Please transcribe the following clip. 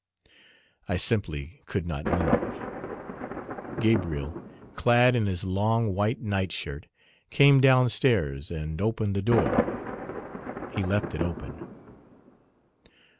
I simply could not move. Gabriel, clad in his long white night shirt, came downstairs and opened the door. He left it open.